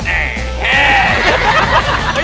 แอ่แอ่